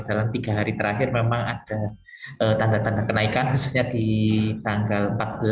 dalam tiga hari terakhir memang ada tanda tanda kenaikan khususnya di tanggal empat belas